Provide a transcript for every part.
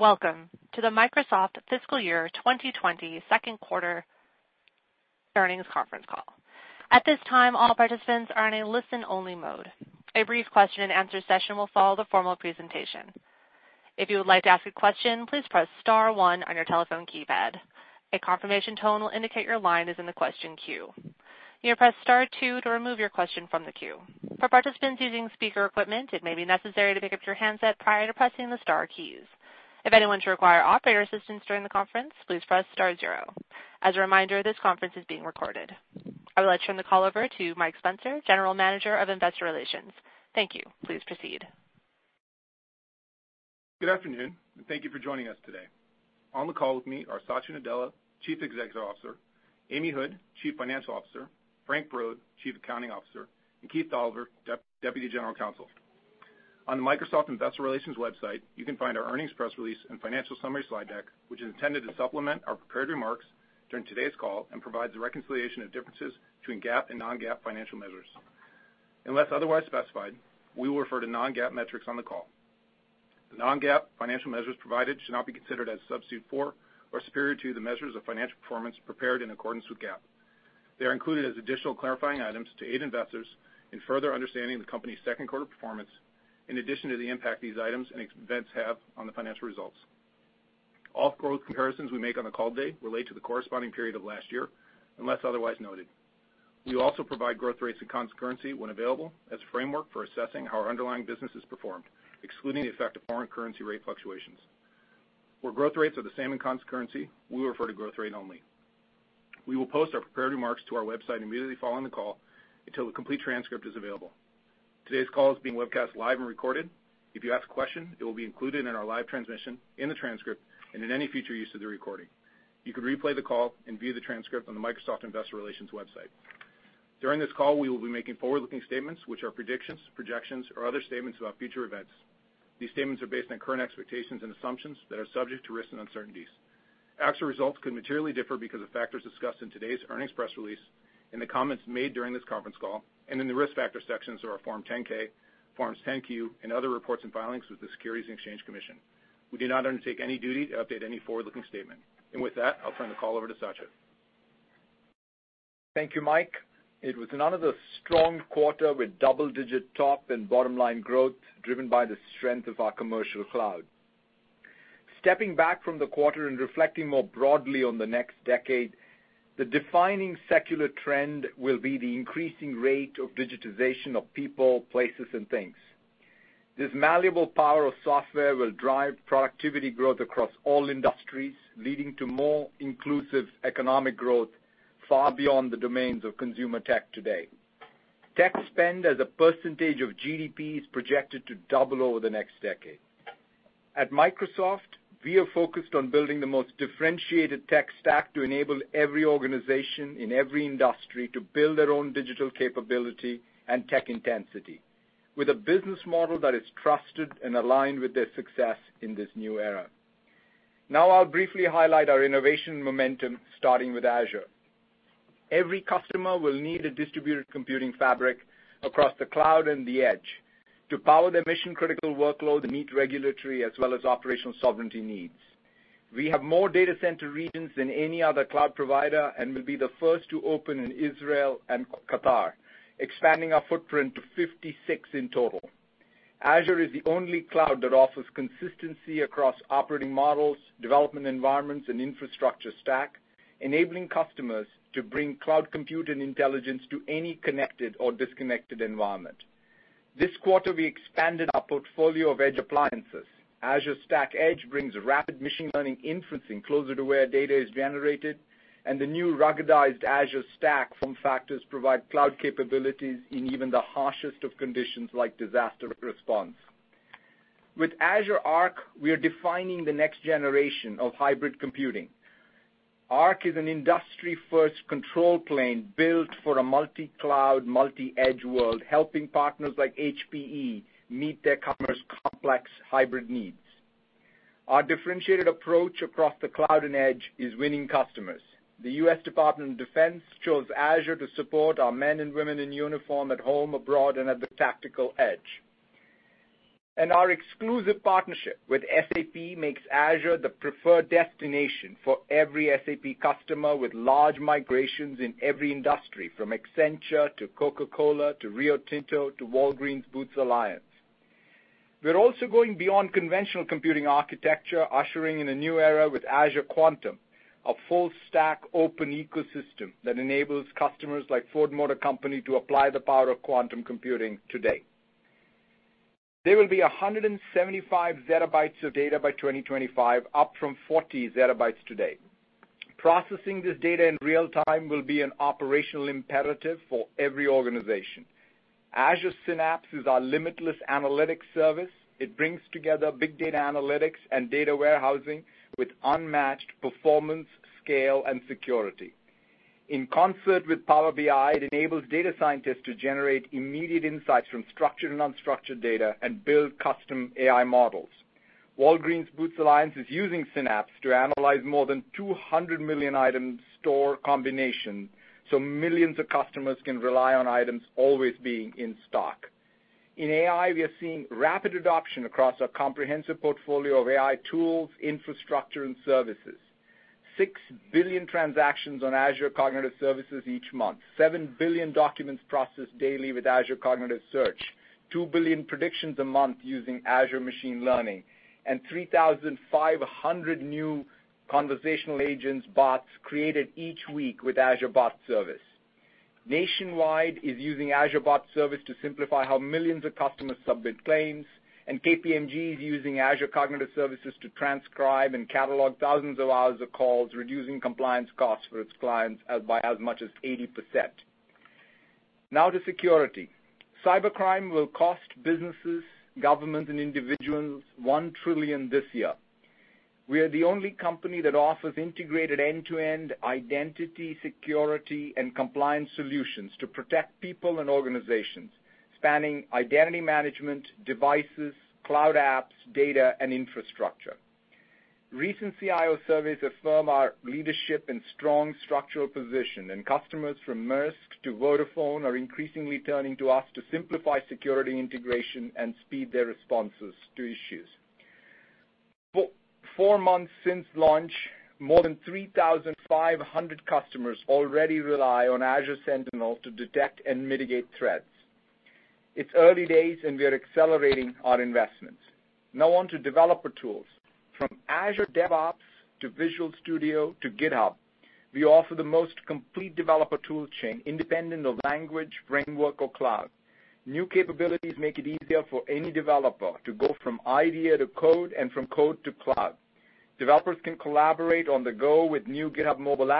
Welcome to the Microsoft Fiscal Year 2020 Second Quarter Earnings Conference Call.At this time all participants are in listen-only mode. A brief question-and-answer session will follow the formal presentation. If you would like to ask a question please press star one on your telephone keypad. A confirmation tone will indicate your question is in the question-queue. If you would like to remove your question please press star two. I would like to turn the call over to Mike Spencer, General Manager of Investor Relations. Thank you. Please proceed. Good afternoon, thank you for joining us today. On the call with me are Satya Nadella, Chief Executive Officer, Amy Hood, Chief Financial Officer, Frank Brod, Chief Accounting Officer, and Keith Dolliver, Deputy General Counsel. On the Microsoft Investor Relations website, you can find our earnings press release and financial summary slide deck, which is intended to supplement our prepared remarks during today's call and provides a reconciliation of differences between GAAP and non-GAAP financial measures. Unless otherwise specified, we will refer to non-GAAP metrics on the call. The non-GAAP financial measures provided should not be considered as substitute for or superior to the measures of financial performance prepared in accordance with GAAP. They are included as additional clarifying items to aid investors in further understanding the company's second quarter performance in addition to the impact these items and events have on the financial results. All growth comparisons we make on the call today relate to the corresponding period of last year, unless otherwise noted. We will also provide growth rates in constant currency when available as a framework for assessing how our underlying business has performed, excluding the effect of foreign currency rate fluctuations. Where growth rates are the same in constant currency, we will refer to growth rate only. We will post our prepared remarks to our website immediately following the call until the complete transcript is available. Today's call is being webcast live and recorded. If you ask a question, it will be included in our live transmission, in the transcript, and in any future use of the recording. You can replay the call and view the transcript on the Microsoft Investor Relations website. During this call, we will be making forward-looking statements, which are predictions, projections, or other statements about future events. These statements are based on current expectations and assumptions that are subject to risks and uncertainties. Actual results could materially differ because of factors discussed in today's earnings press release and the comments made during this conference call and in the Risk Factors sections of our Form 10-K, Forms 10-Q, and other reports and filings with the Securities and Exchange Commission. We do not undertake any duty to update any forward-looking statement. I'll turn the call over to Satya. Thank you, Mike. It was another strong quarter with double-digit top and bottom-line growth driven by the strength of our commercial cloud. Stepping back from the quarter and reflecting more broadly on the next decade, the defining secular trend will be the increasing rate of digitization of people, places, and things. This malleable power of software will drive productivity growth across all industries, leading to more inclusive economic growth far beyond the domains of consumer tech today. Tech-spend as a percentage of GDP is projected to double over the next decade. At Microsoft, we are focused on building the most differentiated tech stack to enable every organization in every industry to build their own digital capability and tech intensity with a business model that is trusted and aligned with their success in this new era. Now I'll briefly highlight our innovation momentum, starting with Azure. Every customer will need a distributed computing fabric across the cloud and the edge to power their mission-critical workload to meet regulatory as well as operational sovereignty needs. We have more data center regions than any other cloud provider and will be the first to open in Israel and Qatar, expanding our footprint to 56 in total. Azure is the only cloud that offers consistency across operating models, development environments, and infrastructure stack, enabling customers to bring cloud compute and intelligence to any connected or disconnected environment. This quarter, we expanded our portfolio of edge appliances. Azure Stack Edge brings rapid machine learning inferencing closer to where data is generated, and the new ruggedized Azure Stack form factors provide cloud capabilities in even the harshest of conditions like disaster response. With Azure Arc, we are defining the next generation of hybrid computing. Arc is an industry-first control plane built for a multi-cloud, multi-edge world, helping partners like HPE meet their customers' complex hybrid needs. Our differentiated approach across the cloud and edge is winning customers. The U.S. Department of Defense chose Azure to support our men and women in uniform at home, abroad, and at the tactical edge. Our exclusive partnership with SAP makes Azure the preferred destination for every SAP customer with large migrations in every industry from Accenture to Coca-Cola to Rio Tinto to Walgreens Boots Alliance. We're also going beyond conventional computing architecture, ushering in a new era with Azure Quantum, a full stack open ecosystem that enables customers like Ford Motor Company to apply the power of quantum computing today. There will be 175 ZB of data by 2025, up from 40 ZB today. Processing this data in real time will be an operational imperative for every organization. Azure Synapse is our limitless analytics service. It brings together big data analytics and data warehousing with unmatched performance, scale, and security. In concert with Power BI, it enables data scientists to generate immediate insights from structured and unstructured data and build custom AI models. Walgreens Boots Alliance is using Synapse to analyze more than 200 million items store combination so millions of customers can rely on items always being in stock. In AI, we are seeing rapid adoption across our comprehensive portfolio of AI tools, infrastructure, and services. Six billion transactions on Azure Cognitive Services each month. Seven billion documents processed daily with Azure Cognitive Search. Two billion predictions a month using Azure Machine Learning, 3,500 new conversational agents bots created each week with Azure Bot Service. Nationwide is using Azure Bot Service to simplify how millions of customers submit claims, and KPMG is using Azure Cognitive Services to transcribe and catalog thousands of hours of calls, reducing compliance costs for its clients by as much as 80%. Now to security. Cybercrime will cost businesses, government, and individuals $1 trillion this year. We are the only company that offers integrated end-to-end identity, security, and compliance solutions to protect people and organizations, spanning identity management, devices, cloud apps, data, and infrastructure. Recent CIO surveys affirm our leadership and strong structural position, and customers from Maersk to Vodafone are increasingly turning to us to simplify security integration and speed their responses to issues. Four months since launch, more than 3,500 customers already rely on Azure Sentinel to detect and mitigate threats. It's early days, and we are accelerating our investments. Now on to developer tools. From Azure DevOps to Visual Studio to GitHub, we offer the most complete developer tool chain independent of language, framework, or cloud. New capabilities make it easier for any developer to go from idea to code and from code to cloud. Developers can collaborate on the go with new GitHub Mobile,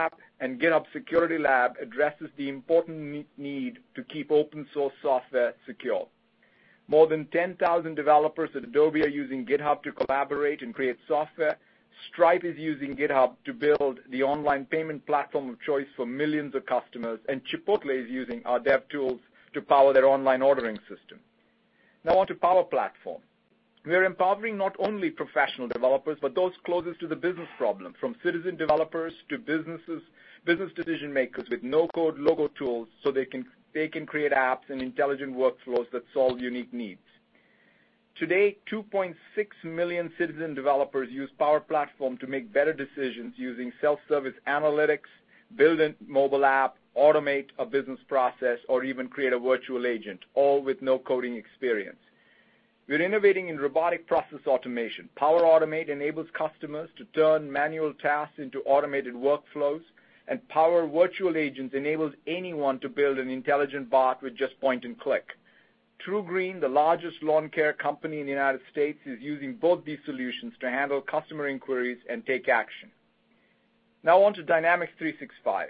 and GitHub Security Lab addresses the important need to keep open source software secure. More than 10,000 developers at Adobe are using GitHub to collaborate and create software. Stripe is using GitHub to build the online payment platform of choice for millions of customers, and Chipotle is using our dev tools to power their online ordering system. Now on to Power Platform. We are empowering not only professional developers, but those closest to the business problem, from citizen developers to business decision-makers with no-code, low-code tools so they can create apps and intelligent workflows that solve unique needs. Today, 2.6 million citizen developers use Power Platform to make better decisions using self-service analytics, build a mobile app, automate a business process, or even create a virtual agent, all with no coding experience. We're innovating in robotic process automation. Power Automate enables customers to turn manual tasks into automated workflows. Power Virtual Agents enables anyone to build an intelligent bot with just point and click. TruGreen, the largest lawn care company in the U.S., is using both these solutions to handle customer inquiries and take action. Now on to Dynamics 365.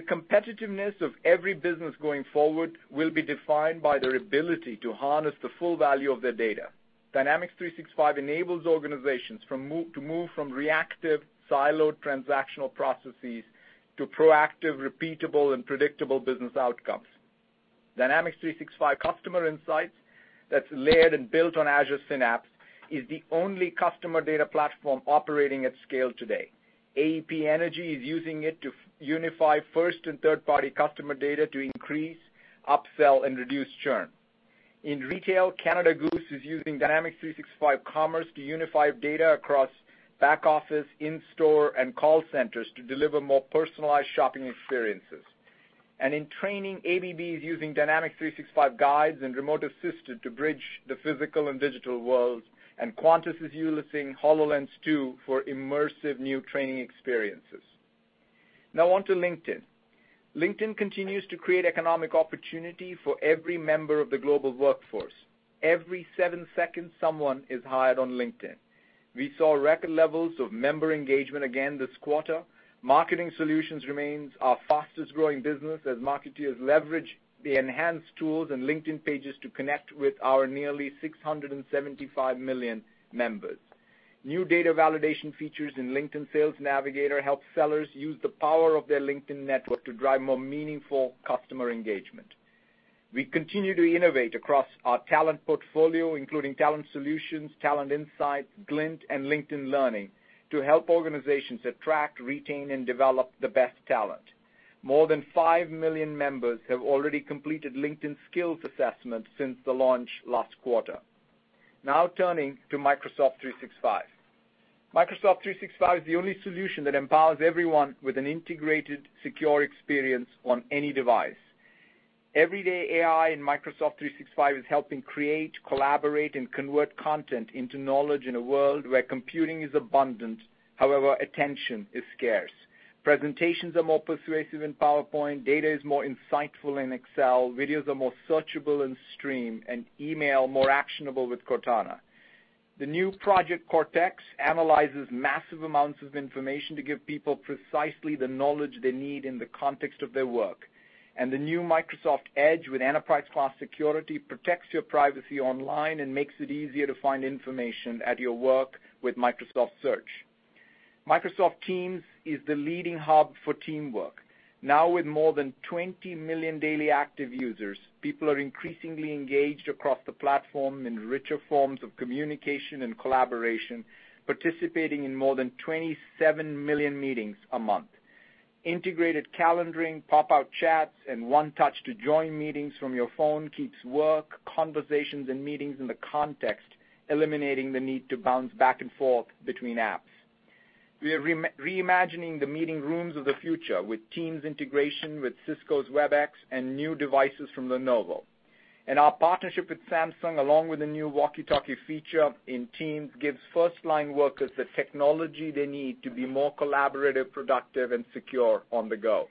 The competitiveness of every business going forward will be defined by their ability to harness the full value of their data. Dynamics 365 enables organizations to move from reactive, siloed, transactional processes to proactive, repeatable, and predictable business outcomes. Dynamics 365 Customer Insights that's layered and built on Azure Synapse is the only customer data platform operating at scale today. AEP Energy is using it to unify first and third-party customer data to increase upsell and reduce churn. In retail, Canada Goose is using Dynamics 365 Commerce to unify data across back office, in-store, and call centers to deliver more personalized shopping experiences. In training, ABB is using Dynamics 365 Guides and Remote Assist to bridge the physical and digital worlds, and Qantas is utilizing HoloLens 2 for immersive new training experiences. Now on to LinkedIn. LinkedIn continues to create economic opportunity for every member of the global workforce. Every seven seconds, someone is hired on LinkedIn. We saw record levels of member engagement again this quarter. Marketing Solutions remains our fastest-growing business as marketeers leverage the enhanced tools and LinkedIn Pages to connect with our nearly 675 million members. New data validation features in LinkedIn Sales Navigator help sellers use the power of their LinkedIn network to drive more meaningful customer engagement. We continue to innovate across our talent portfolio, including Talent Solutions, Talent Insights, Glint, and LinkedIn Learning, to help organizations attract, retain, and develop the best talent. More than five million members have already completed LinkedIn Skills assessments since the launch last quarter. Now turning to Microsoft 365. Microsoft 365 is the only solution that empowers everyone with an integrated, secure experience on any device. Everyday AI in Microsoft 365 is helping create, collaborate, and convert content into knowledge in a world where computing is abundant, however, attention is scarce. Presentations are more persuasive in PowerPoint, data is more insightful in Excel, videos are more searchable in Stream, and email more actionable with Cortana. The new Project Cortex analyzes massive amounts of information to give people precisely the knowledge they need in the context of their work. The new Microsoft Edge with enterprise-class security protects your privacy online and makes it easier to find information at your work with Microsoft Search. Microsoft Teams is the leading hub for teamwork. Now with more than 20 million daily active users, people are increasingly engaged across the platform in richer forms of communication and collaboration, participating in more than 27 million meetings a month. Integrated calendaring, pop-out chats, and one touch to join meetings from your phone keeps work, conversations, and meetings in the context, eliminating the need to bounce back and forth between apps. We are reimagining the meeting rooms of the future with Teams integration with Cisco's Webex and new devices from Lenovo. Our partnership with Samsung, along with the new walkie-talkie feature in Teams, gives firstline workers the technology they need to be more collaborative, productive, and secure on the go.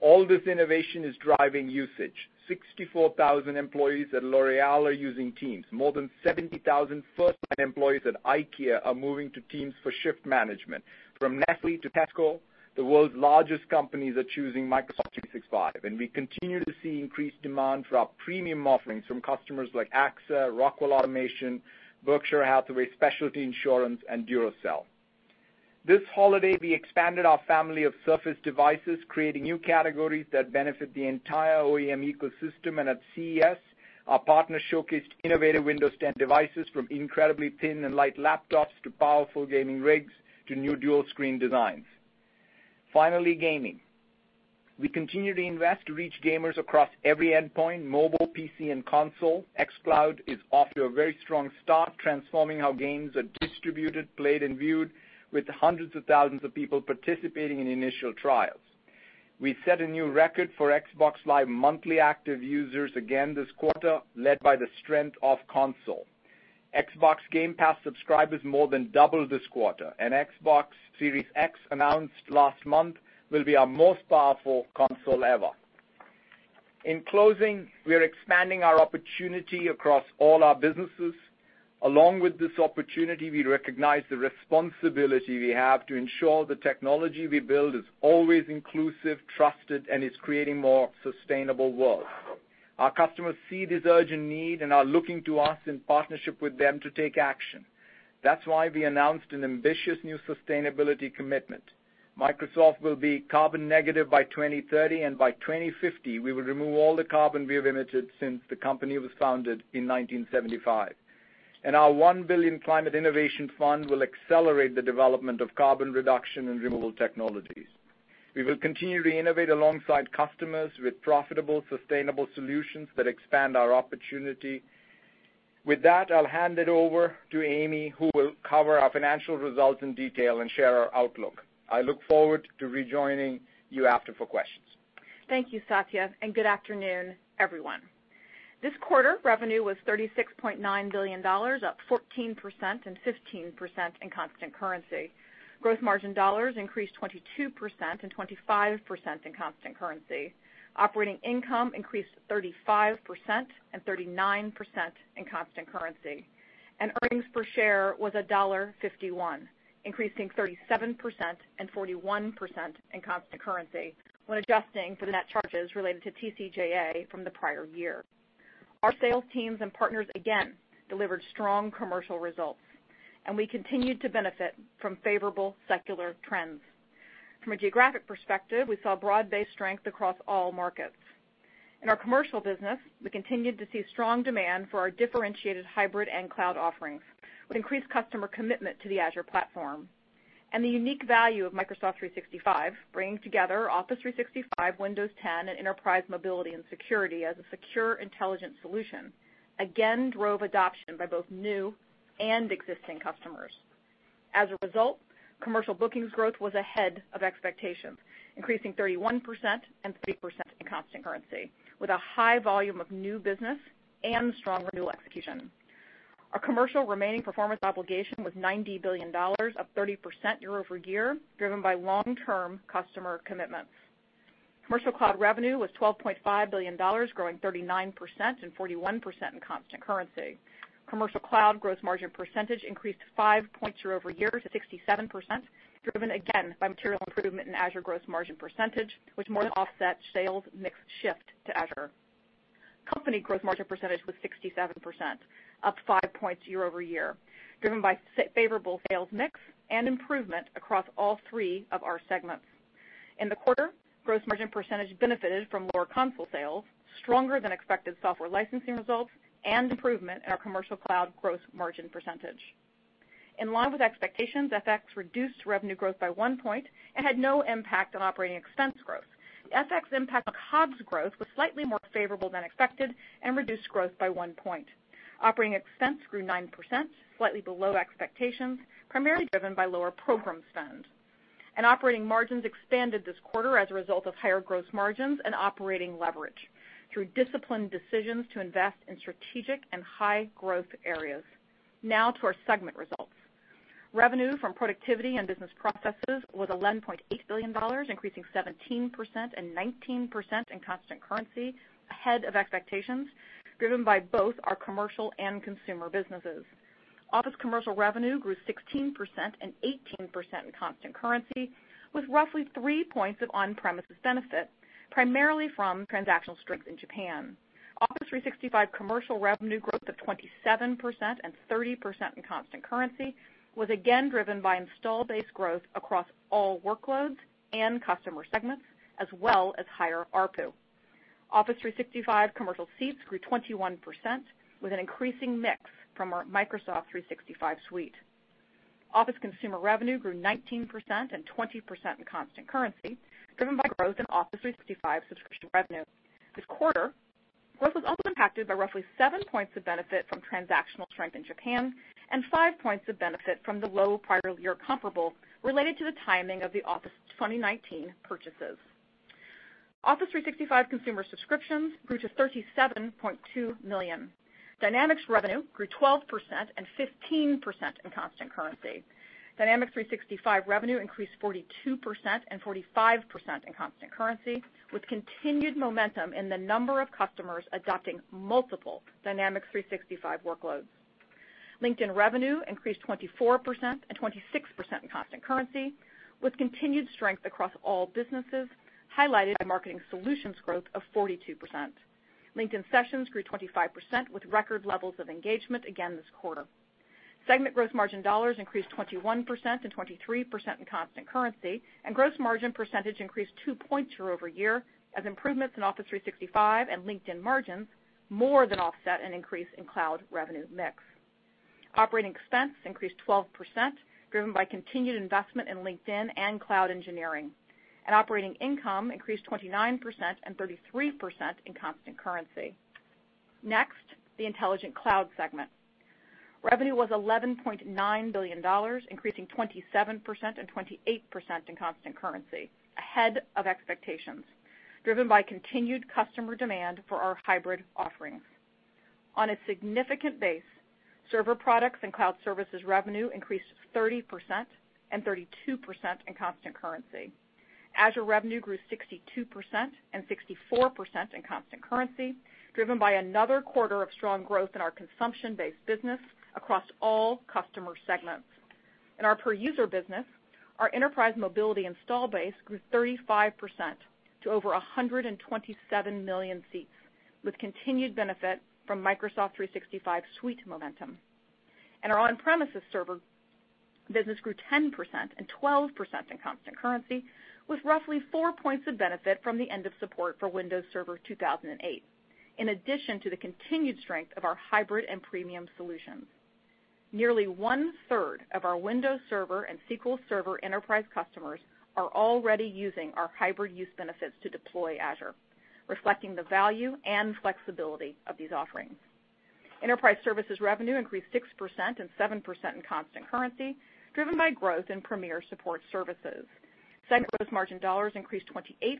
All this innovation is driving usage. 64,000 employees at L'Oréal are using Teams. More than 70,000 firstline employees at IKEA are moving to Teams for shift management. From Nestlé to Tesco, the world's largest companies are choosing Microsoft 365. We continue to see increased demand for our premium offerings from customers like AXA, Rockwell Automation, Berkshire Hathaway Specialty Insurance, and Duracell. This holiday, we expanded our family of Surface devices, creating new categories that benefit the entire OEM ecosystem. At CES, our partners showcased innovative Windows 10 devices from incredibly thin and light laptops to powerful gaming rigs to new dual screen designs. Gaming. We continue to invest to reach gamers across every endpoint, mobile, PC, and console. xCloud is off to a very strong start, transforming how games are distributed, played, and viewed with hundreds of thousands of people participating in initial trials. We set a new record for Xbox Live monthly active users again this quarter, led by the strength of console. Xbox Game Pass subscribers more than doubled this quarter, and Xbox Series X, announced last month, will be our most powerful console ever. In closing, we are expanding our opportunity across all our businesses. Along with this opportunity, we recognize the responsibility we have to ensure the technology we build is always inclusive, trusted, and is creating more sustainable world. Our customers see this urgent need and are looking to us in partnership with them to take action. That's why we announced an ambitious new sustainability commitment. Microsoft will be carbon negative by 2030. By 2050, we will remove all the carbon we have emitted since the company was founded in 1975. Our $1 billion climate innovation fund will accelerate the development of carbon reduction and removal technologies. We will continue to innovate alongside customers with profitable, sustainable solutions that expand our opportunity. With that, I'll hand it over to Amy, who will cover our financial results in detail and share our outlook. I look forward to rejoining you after for questions. Thank you, Satya, and good afternoon, everyone? This quarter, revenue was $36.9 billion, up 14% and 15% in constant currency. Gross margin dollars increased 22% and 25% in constant currency. Operating income increased 35% and 39% in constant currency. Earnings per share was $1.51, increasing 37% and 41% in constant currency when adjusting for the net charges related to TCJA from the prior year. Our sales teams and partners again delivered strong commercial results, and we continued to benefit from favorable secular trends. From a geographic perspective, we saw broad-based strength across all markets. In our commercial business, we continued to see strong demand for our differentiated hybrid and cloud offerings with increased customer commitment to the Azure platform. The unique value of Microsoft 365, bringing together Office 365, Windows 10, and Enterprise Mobility + Security as a secure intelligence solution, again drove adoption by both new and existing customers. As a result, commercial bookings growth was ahead of expectations, increasing 31% and 30% in constant currency with a high volume of new business and strong renewal execution. Our commercial remaining performance obligation was $90 billion, up 30% year-over-year, driven by long-term customer commitments. Commercial cloud revenue was $12.5 billion, growing 39% and 41% in constant currency. Commercial cloud gross margin percentage increased five points year-over-year to 67%, driven again by material improvement in Azure gross margin percentage, which more than offset sales mix shift to Azure. Company gross margin percentage was 67%, up five points year-over-year, driven by favorable sales mix and improvement across all three of our segments. In the quarter, gross margin percentage benefited from lower Console sales, stronger than expected software licensing results, and improvement in our commercial cloud gross margin percentage. In line with expectations, FX reduced revenue growth by one point and had no impact on operating expense growth. The FX impact on COGS growth was slightly more favorable than expected and reduced growth by one point. Operating expense grew 9%, slightly below expectations, primarily driven by lower program spend. Operating margins expanded this quarter as a result of higher gross margins and operating leverage through disciplined decisions to invest in strategic and high growth areas. Now to our segment results. Revenue from productivity and business processes was $11.8 billion, increasing 17% and 19% in constant currency ahead of expectations, driven by both our commercial and consumer businesses. Office Commercial revenue grew 16% and 18% in constant currency, with roughly three points of on-premises benefit, primarily from transactional strength in Japan. Office 365 Commercial revenue growth of 27% and 30% in constant currency was again driven by install base growth across all workloads and customer segments, as well as higher ARPU. Office 365 Commercial seats grew 21% with an increasing mix from our Microsoft 365 suite. Office Consumer revenue grew 19% and 20% in constant currency, driven by growth in Office 365 subscription revenue. This quarter, growth was also impacted by roughly seven points of benefit from transactional strength in Japan and five points of benefit from the low prior year comparable related to the timing of the Office 2019 purchases. Office 365 consumer subscriptions grew to 37.2 million. Dynamics revenue grew 12% and 15% in constant currency. Dynamics 365 revenue increased 42% and 45% in constant currency, with continued momentum in the number of customers adopting multiple Dynamics 365 workloads. LinkedIn revenue increased 24% and 26% in constant currency, with continued strength across all businesses, highlighted by Marketing Solutions growth of 42%. LinkedIn sessions grew 25% with record levels of engagement again this quarter. Segment gross margin dollars increased 21% and 23% in constant currency, gross margin percentage increased two points year-over-year as improvements in Office 365 and LinkedIn margins more than offset an increase in cloud revenue mix. Operating expense increased 12%, driven by continued investment in LinkedIn and cloud engineering. Operating income increased 29% and 33% in constant currency. Next, the Intelligent Cloud segment. Revenue was $11.9 billion, increasing 27% and 28% in constant currency, ahead of expectations, driven by continued customer demand for our hybrid offerings. On a significant base, server products and cloud services revenue increased 30% and 32% in constant currency. Azure revenue grew 62% and 64% in constant currency, driven by another quarter of strong growth in our consumption-based business across all customer segments. In our per user business, our enterprise mobility install base grew 35% to over 127 million seats with continued benefit from Microsoft 365 suite momentum. Our on-premises server business grew 10% and 12% in constant currency, with roughly four points of benefit from the end of support for Windows Server 2008. In addition to the continued strength of our hybrid and premium solutions. Nearly 1/3 of our Windows Server and SQL Server enterprise customers are already using our hybrid use benefits to deploy Azure, reflecting the value and flexibility of these offerings. Enterprise services revenue increased 6% and 7% in constant currency, driven by growth in Premier Support Services. Segment gross margin dollars increased 28%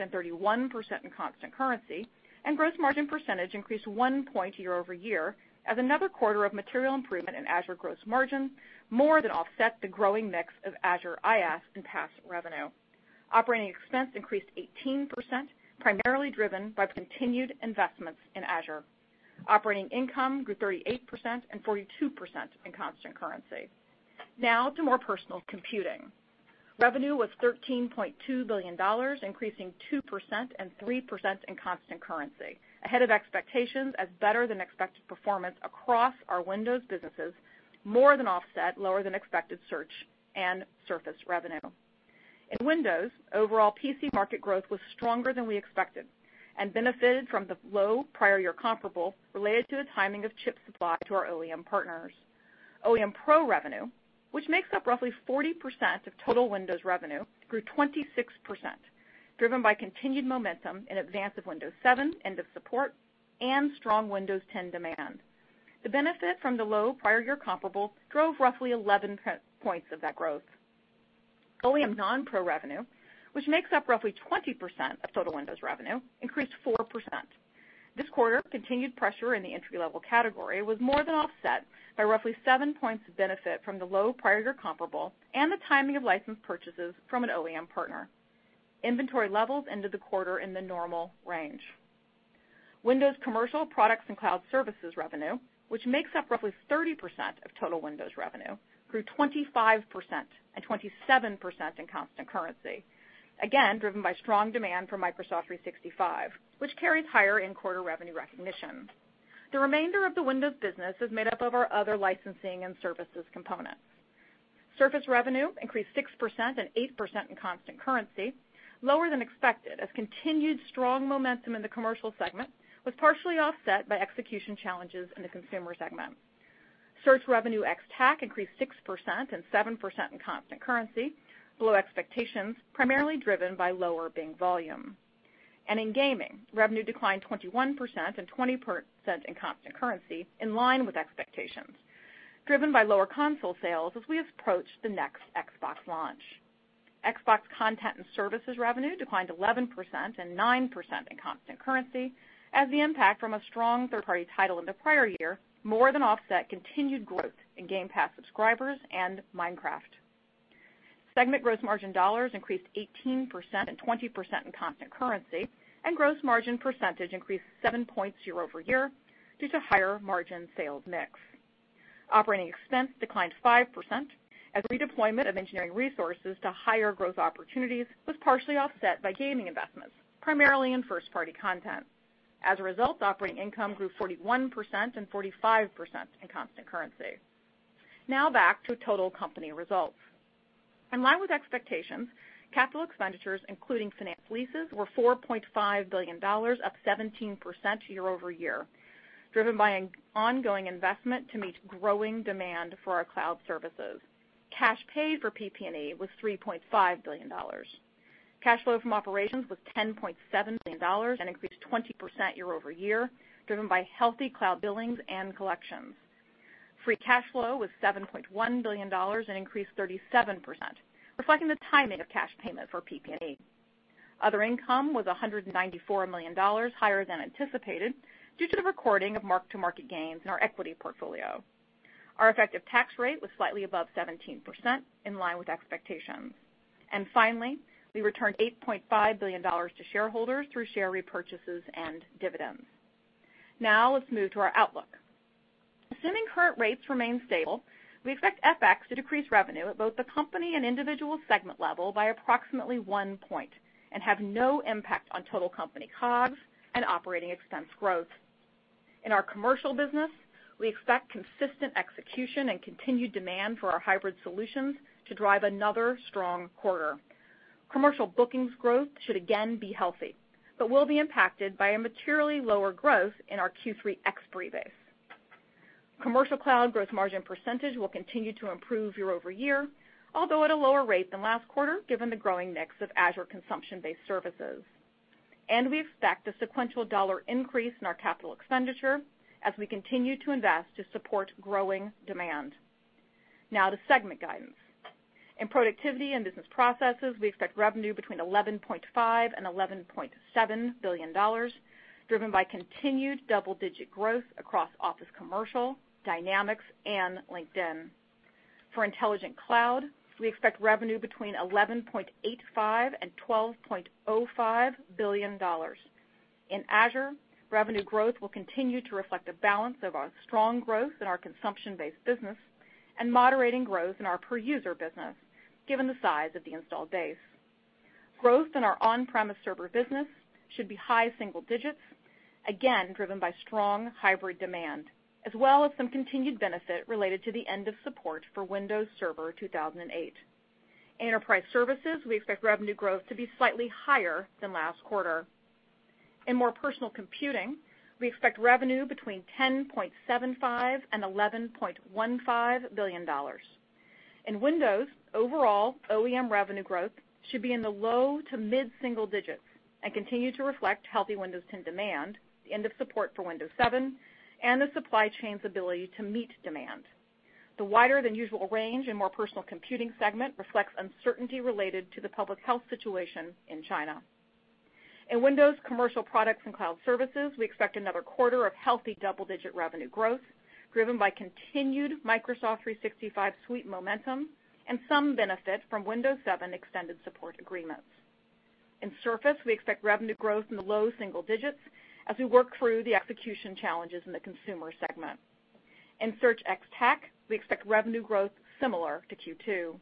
and 31% in constant currency, and gross margin percentage increased one point year-over-year as another quarter of material improvement in Azure gross margin more than offset the growing mix of Azure IaaS and PaaS revenue. Operating expense increased 18%, primarily driven by continued investments in Azure. Operating income grew 38% and 42% in constant currency. Now to more personal computing. Revenue was $13.2 billion, increasing 2% and 3% in constant currency, ahead of expectations as better than expected performance across our Windows businesses more than offset lower than expected search and Surface revenue. In Windows, overall PC market growth was stronger than we expected and benefited from the low prior-year comparable related to the timing of chip supply to our OEM partners. OEM Pro revenue, which makes up roughly 40% of total Windows revenue, grew 26%, driven by continued momentum in advance of Windows 7 end of support and strong Windows 10 demand. The benefit from the low prior year comparable drove roughly 11 points of that growth. OEM non-Pro revenue, which makes up roughly 20% of total Windows revenue, increased 4%. This quarter, continued pressure in the entry-level category was more than offset by roughly seven points of benefit from the low prior year comparable and the timing of license purchases from an OEM partner. Inventory levels ended the quarter in the normal range. Windows Commercial products and cloud services revenue, which makes up roughly 30% of total Windows revenue, grew 25% and 27% in constant currency, again, driven by strong demand for Microsoft 365, which carries higher in quarter revenue recognition. The remainder of the Windows business is made up of our other licensing and services components. Surface revenue increased 6% and 8% in constant currency, lower than expected as continued strong momentum in the commercial segment was partially offset by execution challenges in the consumer segment. Search revenue ex TAC increased 6% and 7% in constant currency, below expectations, primarily driven by lower Bing volume. In gaming, revenue declined 21% and 20% in constant currency, in line with expectations, driven by lower Console sales as we approach the next Xbox launch. Xbox content and services revenue declined 11% and 9% in constant currency as the impact from a strong third-party title in the prior year more than offset continued growth in Game Pass subscribers and Minecraft. Segment gross margin dollars increased 18% and 20% in constant currency, and gross margin percentage increased seven points year-over-year due to higher margin sales mix. Operating expense declined 5% as redeployment of engineering resources to higher growth opportunities was partially offset by gaming investments, primarily in first-party content. As a result, operating income grew 41% and 45% in constant currency. Now back to total company results. In line with expectations, capital expenditures, including finance leases, were $4.5 billion, up 17% year-over-year, driven by an ongoing investment to meet growing demand for our cloud services. Cash paid for PP&E was $3.5 billion. Cash flow from operations was $10.7 billion and increased 20% year-over-year, driven by healthy cloud billings and collections. Free cash flow was $7.1 billion and increased 37%, reflecting the timing of cash payment for PP&E. Other income was $194 million higher than anticipated due to the recording of mark-to-market gains in our equity portfolio. Our effective tax rate was slightly above 17%, in line with expectations. Finally, we returned $8.5 billion to shareholders through share repurchases and dividends. Now let's move to our Outlook. Assuming current rates remain stable, we expect FX to decrease revenue at both the company and individual segment level by approximately one point and have no impact on total company COGS and operating expense growth. In our commercial business, we expect consistent execution and continued demand for our hybrid solutions to drive another strong quarter. Commercial bookings growth should again be healthy, but will be impacted by a materially lower growth in our Q3 expiry base. Commercial Cloud growth margin percentage will continue to improve year-over-year, although at a lower rate than last quarter, given the growing mix of Azure consumption-based services. We expect a sequential dollar increase in our capital expenditure as we continue to invest to support growing demand. Now to segment guidance. In Productivity and Business Processes, we expect revenue between $11.5 billion and $11.7 billion, driven by continued double-digit growth across Office Commercial, Dynamics, and LinkedIn. For Intelligent Cloud, we expect revenue between $11.85 billion and $12.05 billion. In Azure, revenue growth will continue to reflect a balance of our strong growth in our consumption-based business and moderating growth in our per-user business, given the size of the installed base. Growth in our on-premise server business should be high single digits, again, driven by strong hybrid demand, as well as some continued benefit related to the end of support for Windows Server 2008. Enterprise services, we expect revenue growth to be slightly higher than last quarter. In more personal computing, we expect revenue between $10.75 billion and $11.15 billion. In Windows, overall OEM revenue growth should be in the low to mid-single digits and continue to reflect healthy Windows 10 demand, the end of support for Windows 7, and the supply chain's ability to meet demand. The wider than usual range in Personal Computing segment reflects uncertainty related to the public health situation in China. In Windows commercial products and cloud services, we expect another quarter of healthy double-digit revenue growth driven by continued Microsoft 365 suite momentum and some benefit from Windows 7 extended support agreements. In Surface, we expect revenue growth in the low single digits as we work through the execution challenges in the consumer segment. In Search ex TAC, we expect revenue growth similar to Q2.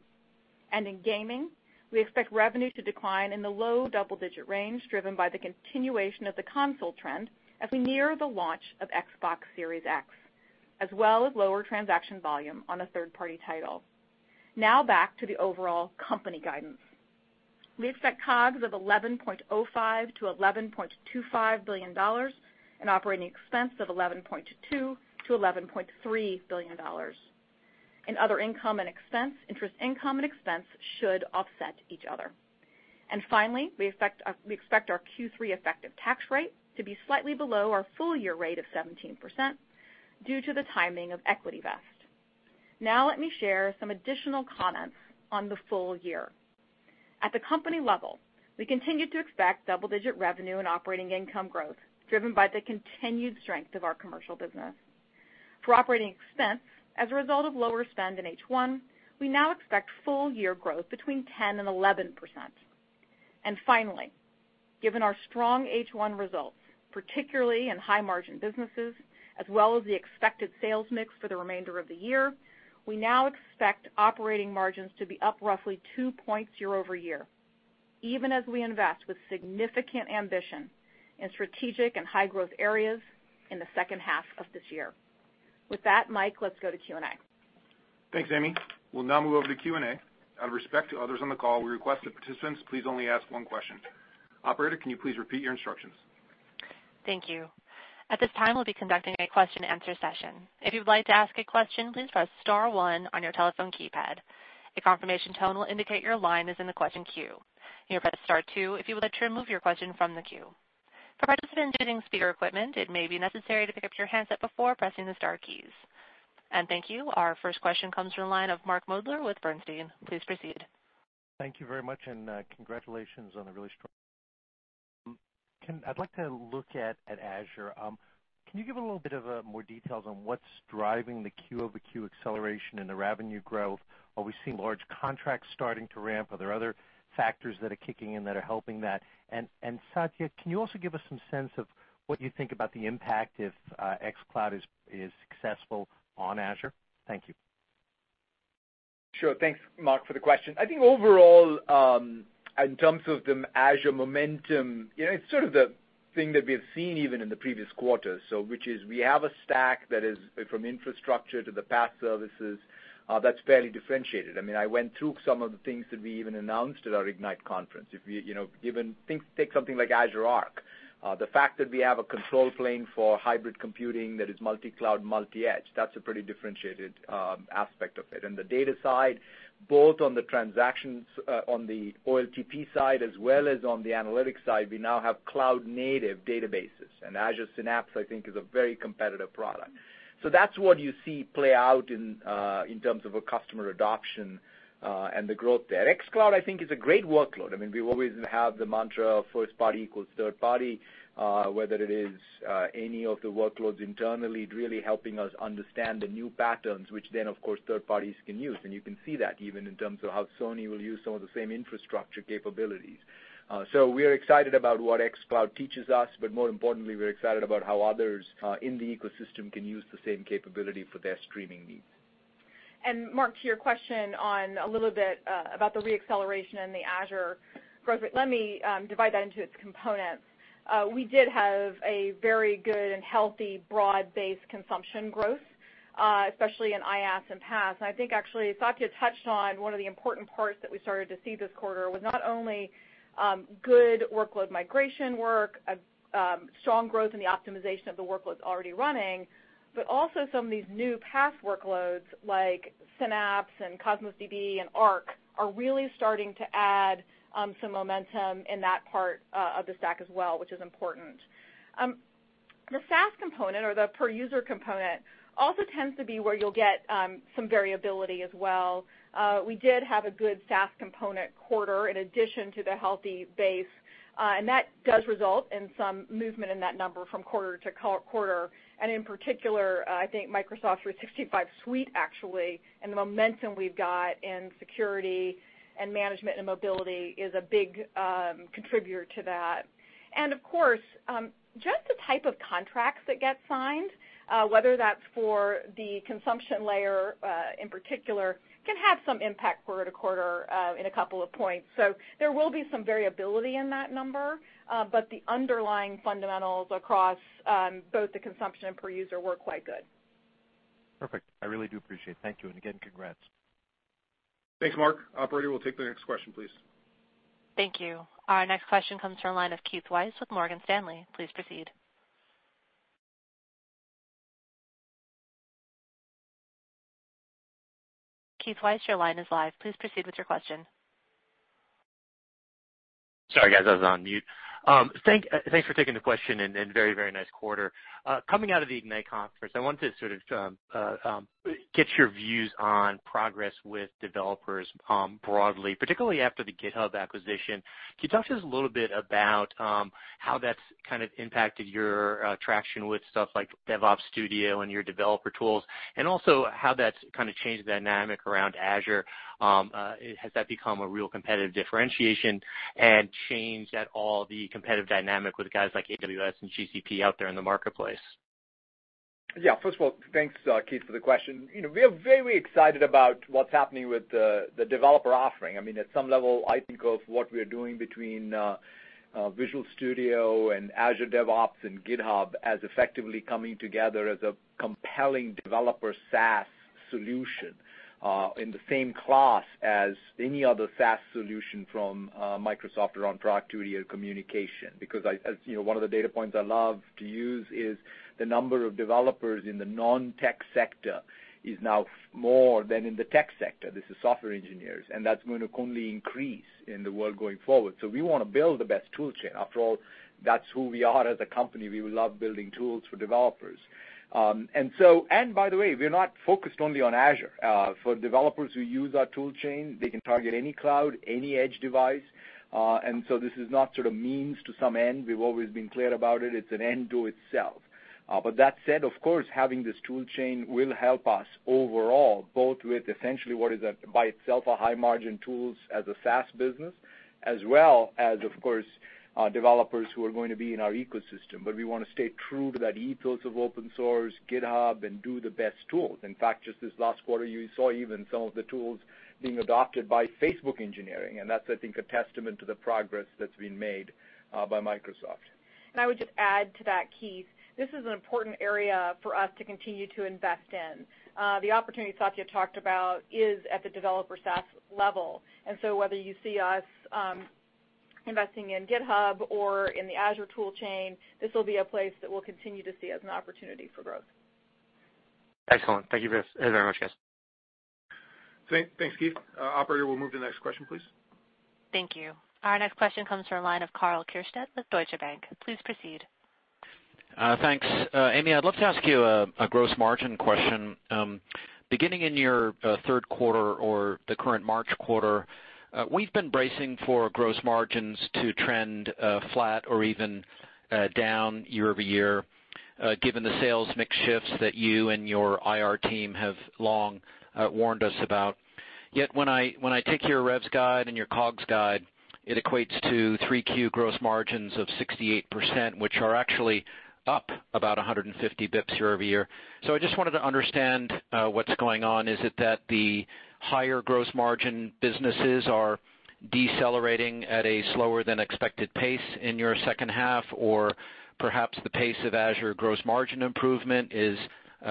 In gaming, we expect revenue to decline in the low double-digit range driven by the continuation of the console trend as we near the launch of Xbox Series X, as well as lower transaction volume on a third-party title. Back to the overall company guidance. We expect COGS of $11.05 billion-$11.25 billion and operating expense of $11.2 billion-$11.3 billion. In other income and expense, interest income and expense should offset each other. Finally, we expect our Q3 effective tax rate to be slightly below our full-year rate of 17% due to the timing of equity vest. Now let me share some additional comments on the full year. At the company level, we continue to expect double-digit revenue and operating income growth driven by the continued strength of our commercial business. For operating expense, as a result of lower spend in H1, we now expect full year growth between 10% and 11%. Finally, given our strong H1 results, particularly in high margin businesses, as well as the expected sales mix for the remainder of the year, we now expect operating margins to be up roughly two points year-over-year, even as we invest with significant ambition in strategic and high growth areas in the second half of this year. With that, Mike, let's go to Q&A. Thanks, Amy. We'll now move over to Q&A. Out of respect to others on the call, we request that participants please only ask one question. Operator, can you please repeat your instructions? Thank you. At this time we will be conducting a question-and-answer session. If you would like to ask a question press star one on your telephone keyboard. Confirmation tone will confirm your line in question queue. If you would like to remove your question from the queue press star two. Our first question comes from the line of Mark Moerdler with Bernstein, please proceed. Thank you very much, and congratulations on a really strong. I'd like to look at Azure. Can you give a little bit more details on what's driving the Q-over-Q acceleration in the revenue growth? Are we seeing large contracts starting to ramp? Are there other factors that are kicking in that are helping that? Satya, can you also give us some sense of what you think about the impact if xCloud is successful on Azure? Thank you. Sure. Thanks, Mark, for the question. I think overall, in terms of the Azure momentum, you know, it's sort of the thing that we have seen even in the previous quarters, so which is we have a stack that is from infrastructure to the PaaS services, that's fairly differentiated. I mean, I went through some of the things that we even announced at our Ignite conference. If we, you know, even think, take something like Azure Arc. The fact that we have a control plane for hybrid computing that is multi-cloud, multi-edge, that's a pretty differentiated aspect of it. In the data side, both on the transactions, on the OLTP side as well as on the analytics side, we now have Cloud Native Databases, and Azure Synapse, I think, is a very competitive product. That's what you see play out in terms of a customer adoption, and the growth there. xCloud, I think, is a great workload. I mean, we always have the mantra of first party equals third party, whether it is, any of the workloads internally really helping us understand the new patterns, which then of course, third parties can use. You can see that even in terms of how Sony will use some of the same infrastructure capabilities. We are excited about what xCloud teaches us, but more importantly, we're excited about how others, in the ecosystem can use the same capability for their streaming needs. Mark, to your question on a little bit about the re-acceleration and the Azure growth rate, let me divide that into its components. We did have a very good and healthy broad-based consumption growth, especially in IaaS and PaaS. I think actually Satya touched on one of the important parts that we started to see this quarter was not only good workload migration work, strong growth in the optimization of the workloads already running, but also some of these new PaaS workloads like Synapse and Cosmos DB and Arc are really starting to add some momentum in that part of the stack as well, which is important. The SaaS component or the per user component also tends to be where you'll get some variability as well. We did have a good SaaS component quarter in addition to the healthy base, and that does result in some movement in that number from quarter-to-quarter. In particular, I think Microsoft 365 Suite, actually, and the momentum we've got in security and management and mobility is a big contributor to that. Of course, just the type of contracts that get signed, whether that's for the consumption layer, in particular, can have some impact quarter-to-quarter, in couple of points. There will be some variability in that number, but the underlying fundamentals across both the consumption and per user were quite good. Perfect. I really do appreciate it. Thank you. Again, congrats. Thanks, Mark. Operator, we'll take the next question, please. Thank you. Our next question comes from line of Keith Weiss with Morgan Stanley, please proceed. Keith Weiss, your line is live, please proceed with your question. Sorry, guys, I was on mute. Thanks for taking the question and very nice quarter. Coming out of the Ignite conference, I wanted to sort of get your views on progress with developers, broadly, particularly after the GitHub acquisition. Can you talk to us a little bit about how that's kind of impacted your traction with stuff like DevOps and your developer tools, and also how that's kind of changed the dynamic around Azure? Has that become a real competitive differentiation and changed at all the competitive dynamic with guys like AWS and GCP out there in the marketplace? Yeah. First of all, thanks, Keith, for the question. You know, we are very excited about what's happening with the developer offering. I mean, at some level, I think of what we are doing between Visual Studio and Azure DevOps and GitHub as effectively coming together as a compelling developer SaaS solution in the same class as any other SaaS solution from Microsoft around productivity or communication. As you know, one of the data points I love to use is the number of developers in the non-tech sector is now more than in the tech sector. This is software engineers, that's going to only increase in the world going forward. We wanna build the best tool chain. After all, that's who we are as a company. We love building tools for developers. By the way, we're not focused only on Azure. For developers who use our tool chain, they can target any Cloud, any Edge device. This is not sort of means to some end. We've always been clear about it. It's an end to itself. That said, of course, having this tool chain will help us overall, both with essentially what is a, by itself, a high margin tools as a SaaS business, as well as, of course, developers who are going to be in our ecosystem. We wanna stay true to that ethos of open source, GitHub, and do the best tools. In fact, just this last quarter, you saw even some of the tools being adopted by Facebook engineering, that's, I think, a testament to the progress that's been made by Microsoft. I would just add to that, Keith, this is an important area for us to continue to invest in. The opportunity Satya talked about is at the developer SaaS level. Whether you see us investing in GitHub or in the Azure tool chain, this will be a place that we'll continue to see as an opportunity for growth. Excellent. Thank you very, very much, guys. Thanks, Keith. operator, we'll move to the next question, please. Thank you. Our next question comes from line of Karl Keirstead with Deutsche Bank, please proceed. Thanks, Amy, I'd love to ask you a gross margin question. Beginning in your third quarter or the current March quarter, we've been bracing for gross margins to trend flat or even down year-over-year, given the sales mix shifts that you and your IR team have long warned us about. When I take your revs guide and your COGS guide, it equates to 3Q gross margins of 68%, which are actually up about 150 basis points year-over-year. I just wanted to understand what's going on. Is it that the higher gross margin businesses are decelerating at a slower than expected pace in your second half or perhaps the pace of Azure gross margin improvement is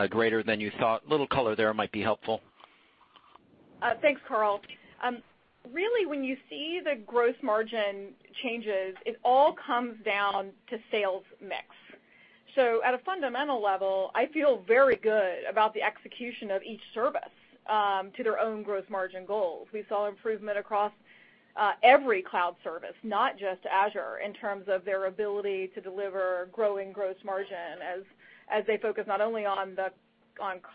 greater than you thought? Little color there might be helpful. Thanks, Karl. When you see the gross margin changes, it all comes down to sales mix. At a fundamental level, I feel very good about the execution of each service to their own gross margin goals. We saw improvement across every Cloud service, not just Azure, in terms of their ability to deliver growing gross margin as they focus not only on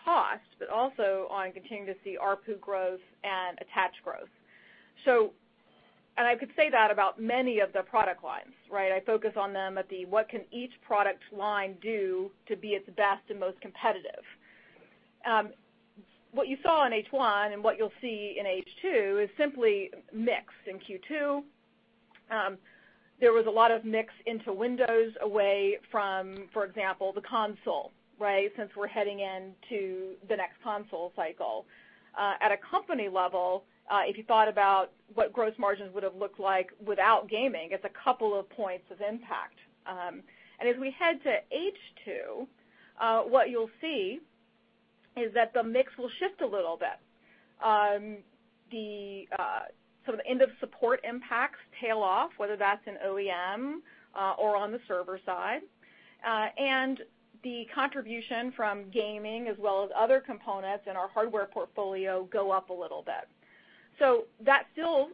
cost, but also on continuing to see ARPU growth and attach growth. I could say that about many of the product lines, right? I focus on them at the what can each product line do to be its best and most competitive. What you saw in H1 and what you'll see in H2 is simply mix. In Q2, there was a lot of mix into Windows away from, for example, the Console, right, since we're heading into the next Console cycle. At a company level, if you thought about what gross margins would have looked like without gaming, it's a couple of points of impact. As we head to H2, what you'll see is that the mix will shift a little bit. The some of the end of support impacts tail off, whether that's in OEM or on the server side. The contribution from gaming as well as other components in our hardware portfolio go up a little bit. That still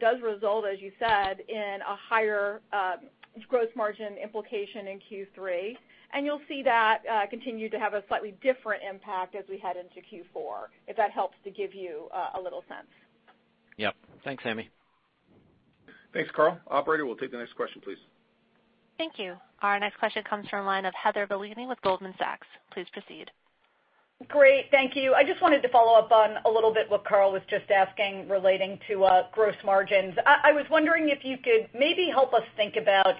does result, as you said, in a higher gross margin implication in Q3, and you'll see that continue to have a slightly different impact as we head into Q4, if that helps to give you a little sense. Yep. Thanks, Amy. Thanks, Karl. Operator, we'll take the next question, please. Thank you. Our next question comes from line of Heather Bellini with Goldman Sachs, please proceed. Great. Thank you. I just wanted to follow up on a little bit what Karl was just asking relating to gross margins. I was wondering if you could maybe help us think about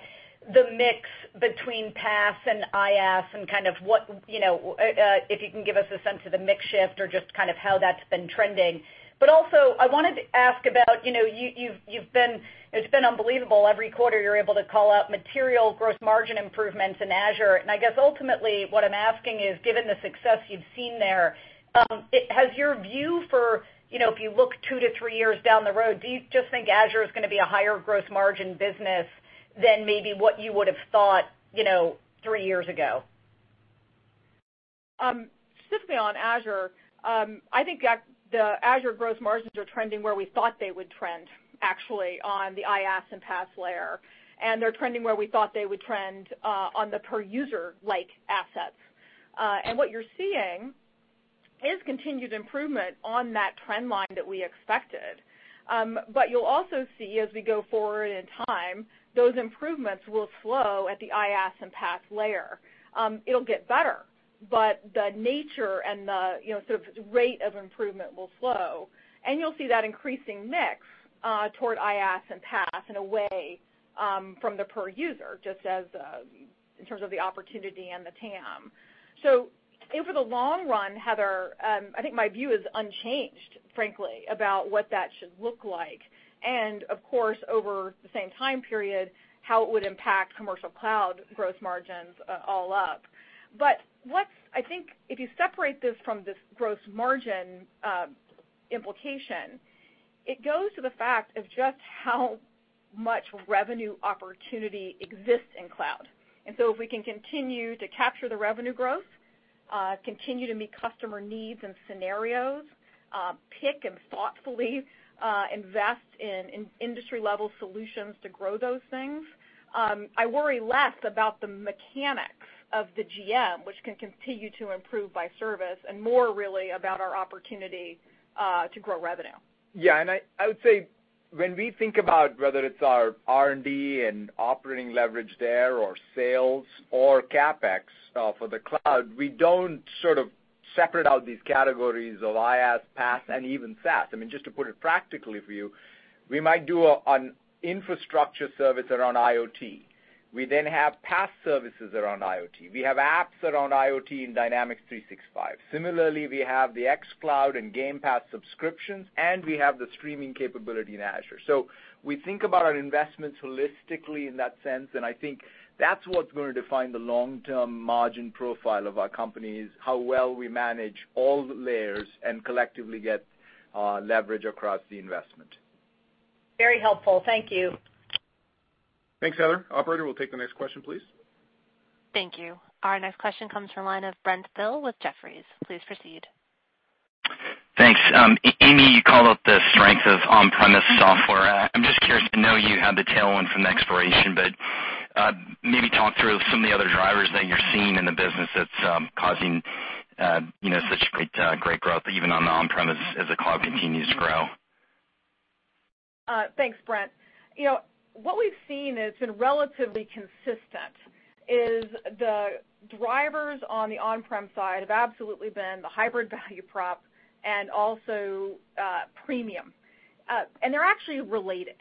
the mix between PaaS and IaaS and kind of what, you know, if you can give us a sense of the mix shift or just kind of how that's been trending. Also, I wanted to ask about, you know, it's been unbelievable every quarter you're able to call out material gross margin improvements in Azure. I guess ultimately what I'm asking is, given the success you've seen there, has your view for, you know, if you look two to three years down the road, do you just think Azure is gonna be a higher gross margin business than maybe what you would have thought, you know, three years ago? Specifically on Azure, I think the Azure gross margins are trending where we thought they would trend, actually, on the IaaS and PaaS layer, and they're trending where we thought they would trend on the per user like assets. What you're seeing is continued improvement on that trend line that we expected. You'll also see as we go forward in time, those improvements will slow at the IaaS and PaaS layer. It'll get better, the nature and the, you know, sort of rate of improvement will slow, and you'll see that increasing mix toward IaaS and PaaS and away from the per user, just as in terms of the opportunity and the TAM. Over the long run, Heather, I think my view is unchanged, frankly, about what that should look like. Of course, over the same time period, how it would impact commercial cloud gross margins, all up. I think if you separate this from this gross margin implication, it goes to the fact of just how much revenue opportunity exists in cloud. If we can continue to capture the revenue growth, continue to meet customer needs and scenarios, pick and thoughtfully invest in industry level solutions to grow those things, I worry less about the mechanics of the GM, which can continue to improve by service and more really about our opportunity to grow revenue. Yeah, and I would say when we think about whether it's our R&D and operating leverage there or sales or CapEx for the cloud, we don't sort of separate out these categories of IaaS, PaaS, and even SaaS. I mean, just to put it practically for you, we might do an infrastructure service around IoT. We have PaaS services around IoT. We have apps around IoT and Dynamics 365. Similarly, we have the xCloud and Game Pass subscriptions, and we have the streaming capability in Azure. We think about our investments holistically in that sense, and I think that's what's gonna define the long-term margin profile of our company is how well we manage all the layers and collectively get leverage across the investment. Very helpful. Thank you. Thanks, Heather. Operator, we'll take the next question, please. Thank you. Our next question comes from line of Brent Thill with Jefferies, please proceed. Thanks. Amy, you called out the strength of on-premise software. I'm just curious to know you had the tailwind from the expiration, but maybe talk through some of the other drivers that you're seeing in the business that's causing, you know, such great growth, even on the on-premise as the cloud continues to grow. Thanks, Brent. You know, what we've seen, it's been relatively consistent, is the drivers on the on-prem side have absolutely been the hybrid value prop and also premium. They're actually related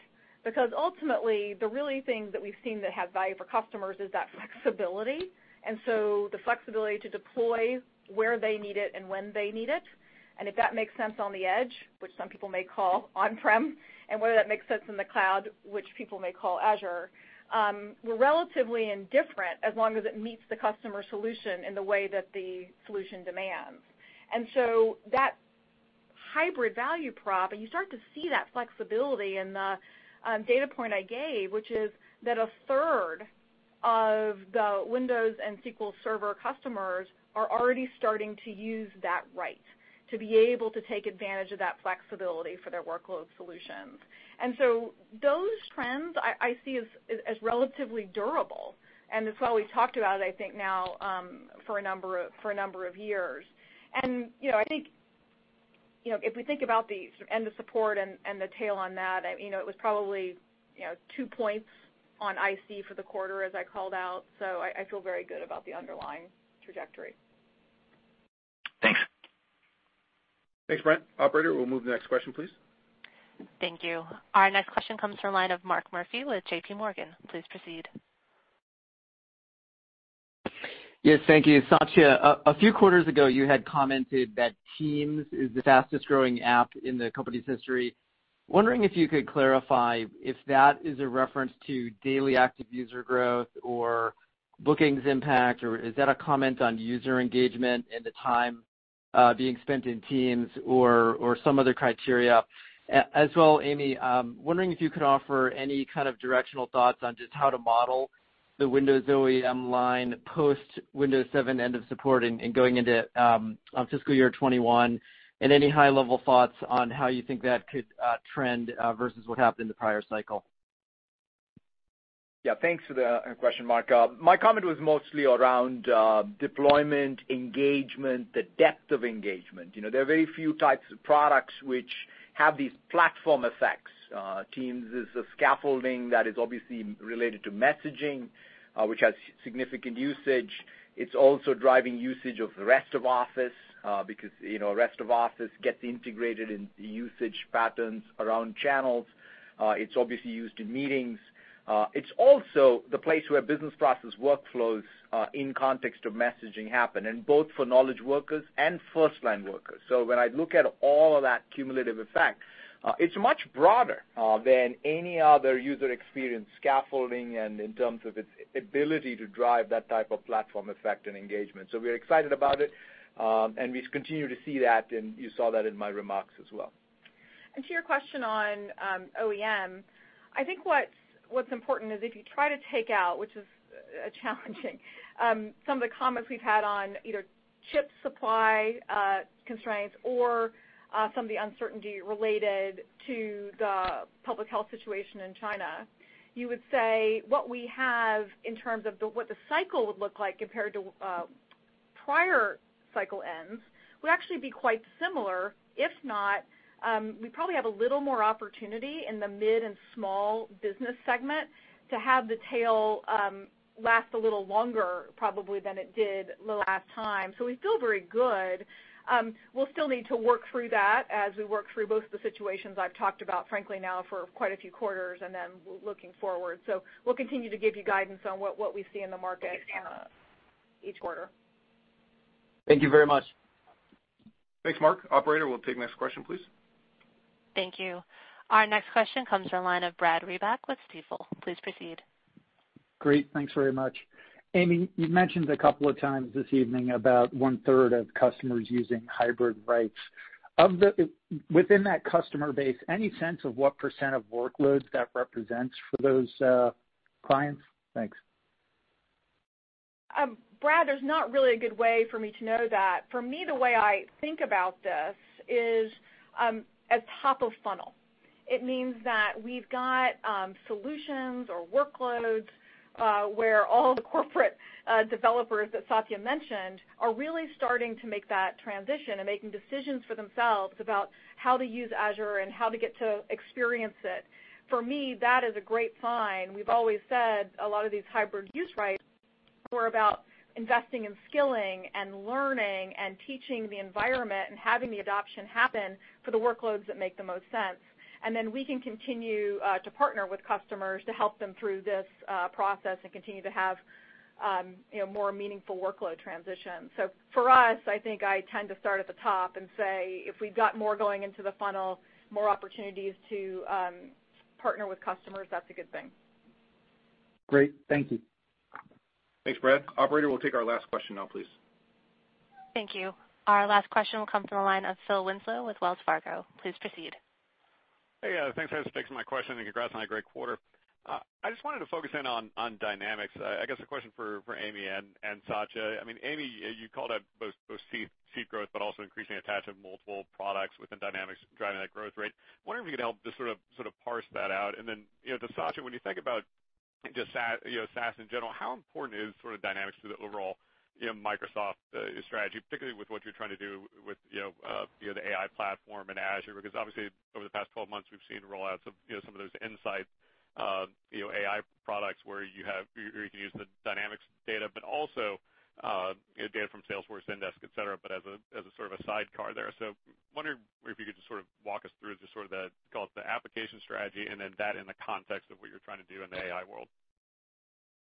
because ultimately the really things that we've seen that have value for customers is that flexibility. The flexibility to deploy where they need it and when they need it, and if that makes sense on the edge, which some people may call on-prem, and whether that makes sense in the cloud, which people may call Azure, we're relatively indifferent as long as it meets the customer solution in the way that the solution demands. That hybrid value prop, and you start to see that flexibility in the data point I gave, which is that a third of the Windows and SQL Server customers are already starting to use that right to be able to take advantage of that flexibility for their workload solutions. Those trends I see as relatively durable, and it's what we talked about, I think, now, for a number of years. You know, I think, you know, if we think about the sort end of support and the tail on that, I, you know, it was probably, you know, two points on IC for the quarter as I called out. I feel very good about the underlying trajectory. Thanks. Thanks, Brent. Operator, we'll move to the next question, please. Thank you. Our next question comes from line of Mark Murphy with JPMorgan, please proceed. Yes, thank you. Satya, a few quarters ago, you had commented that Teams is the fastest growing app in the company's history. Wondering if you could clarify if that is a reference to daily active user growth or bookings impact, or is that a comment on user engagement and the time being spent in Teams or some other criteria? As well, Amy, wondering if you could offer any kind of directional thoughts on just how to model the Windows OEM line post Windows 7 end of support and going into fiscal year 2021, and any high level thoughts on how you think that could trend versus what happened in the prior cycle. Thanks for the question, Mark. My comment was mostly around deployment, engagement, the depth of engagement. You know, there are very few types of products which have these platform effects. Teams is a scaffolding that is obviously related to messaging, which has significant usage. It's also driving usage of the rest of Office, because, you know, rest of Office gets integrated in the usage patterns around channels. It's obviously used in meetings. It's also the place where business process workflows, in context of messaging happen and both for knowledge workers and firstline workers. When I look at all of that cumulative effect, it's much broader than any other user experience scaffolding and in terms of its ability to drive that type of platform effect and engagement. We're excited about it, and we continue to see that, and you saw that in my remarks as well. To your question on OEM, I think what's important is if you try to take out, which is challenging, some of the comments we've had on either chip supply constraints or some of the uncertainty related to the public health situation in China, you would say what we have in terms of the, what the cycle would look like compared to prior cycle ends would actually be quite similar. If not, we probably have a little more opportunity in the mid and small business segment to have the tail last a little longer probably than it did last time. We feel very good. We'll still need to work through that as we work through both the situations I've talked about frankly now for quite a few quarters and then looking forward. We'll continue to give you guidance on what we see in the market, each quarter. Thank you very much. Thanks, Mark. Operator, we'll take next question, please. Thank you. Our next question comes from the line of Brad Reback with Stifel, please proceed. Great. Thanks very much. Amy, you've mentioned a couple of times this evening about 1/3 of customers using Hybrid rights. Within that customer base, any sense of what percentage of workloads that represents for those clients? Thanks. Brad, there's not really a good way for me to know that. For me, the way I think about this is as top of funnel. It means that we've got solutions or workloads where all the corporate developers that Satya mentioned are really starting to make that transition and making decisions for themselves about how to use Azure and how to get to experience it. For me, that is a great sign. We've always said a lot of these hybrid use rights were about investing in skilling and learning and teaching the environment and having the adoption happen for the workloads that make the most sense. Then we can continue to partner with customers to help them through this process and continue to have, you know, more meaningful workload transition. For us, I think I tend to start at the top and say, if we've got more going into the funnel, more opportunities to partner with customers, that's a good thing. Great. Thank you. Thanks, Brad. Operator, we'll take our last question now, please. Thank you. Our last question will come from the line of Phil Winslow with Wells Fargo, please proceed. Thanks for taking my question, congrats on a great quarter. I just wanted to focus in on Dynamics. I guess a question for Amy and Satya. I mean, Amy, you called out both seat growth, but also increasing attach of multiple products within Dynamics driving that growth rate. Wondering if you could help just sort of parse that out. You know, to Satya, when you think about just SaaS in general, how important is sort of Dynamics to the overall, you know, Microsoft strategy, particularly with what you're trying to do with, you know, the AI platform and Azure? Obviously, over the past 12 months, we've seen rollouts of, you know, some of those insights, you know, AI products where you can use the Dynamics data, but also, you know, data from Salesforce, Zendesk, et cetera, but as a, as a sort of a sidecar there. Wondering if you could just sort of walk us through just sort of the, call it the application strategy, and then that in the context of what you're trying to do in the AI world?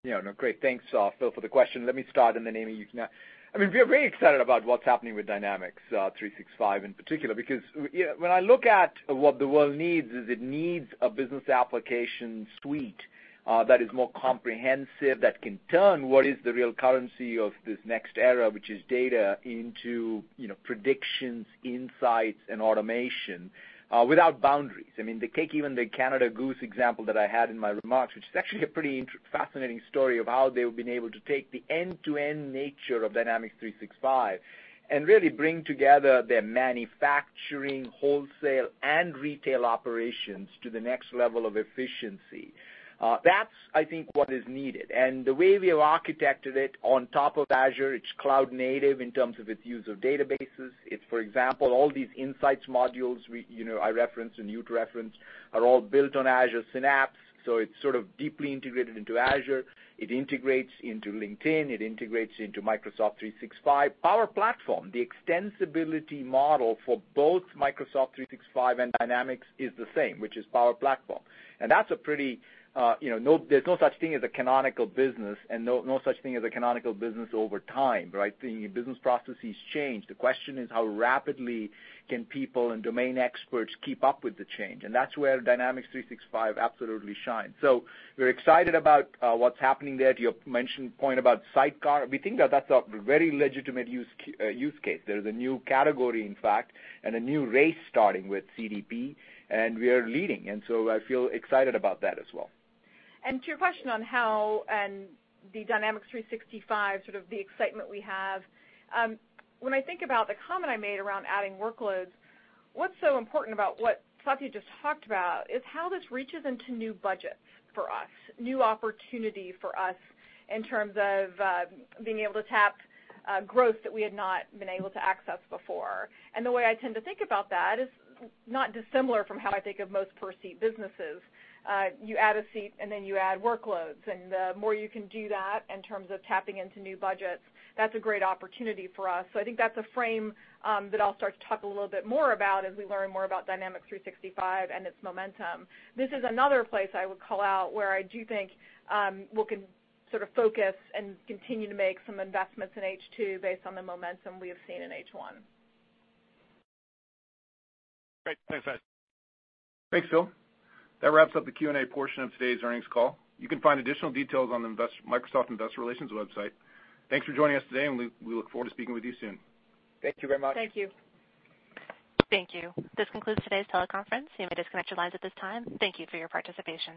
Yeah, no, great. Thanks, Phil, for the question. Let me start, and then Amy, you can. I mean, we are very excited about what's happening with Dynamics 365 in particular, because you know, when I look at what the world needs is it needs a business application suite that is more comprehensive, that can turn what is the real currency of this next era, which is data, into, you know, predictions, insights, and automation without boundaries. I mean, take even the Canada Goose example that I had in my remarks, which is actually a pretty fascinating story of how they've been able to take the end-to-end nature of Dynamics 365 and really bring together their manufacturing, wholesale, and retail operations to the next level of efficiency. That's, I think, what is needed. The way we have architected it on top of Azure, it's cloud native in terms of its use of databases. It's, for example, all these insights modules we, you know, I referenced and you referenced are all built on Azure Synapse, so it's sort of deeply integrated into Azure. It integrates into LinkedIn. It integrates into Microsoft 365. Power Platform, the extensibility model for both Microsoft 365 and Dynamics is the same, which is Power Platform. That's a pretty, you know, no There's no such thing as a canonical business and no such thing as a canonical business over time, right? The business processes change. The question is how rapidly can people and domain experts keep up with the change, and that's where Dynamics 365 absolutely shines. We're excited about what's happening there. To your mentioned point about sidecar, we think that that's a very legitimate use case. There is a new category, in fact, and a new race starting with CDP, and we are leading. I feel excited about that as well. To your question on how and the Dynamics 365, sort of the excitement we have, when I think about the comment I made around adding workloads, what's so important about what Satya just talked about is how this reaches into new budgets for us, new opportunity for us in terms of being able to tap growth that we had not been able to access before. The way I tend to think about that is not dissimilar from how I think of most per seat businesses. You add a seat, and then you add workloads. The more you can do that in terms of tapping into new budgets, that's a great opportunity for us. I think that's a frame that I'll start to talk a little bit more about as we learn more about Dynamics 365 and its momentum. This is another place I would call out where I do think, we can sort of focus and continue to make some investments in H2 based on the momentum we have seen in H1. Great. Thanks, guys. Thanks, Phil. That wraps up the Q&A portion of today's earnings call. You can find additional details on the Microsoft Investor Relations website. Thanks for joining us today, and we look forward to speaking with you soon. Thank you very much. Thank you. Thank you. This concludes today's teleconference, you may disconnect your lines at this time. Thank you for your participation.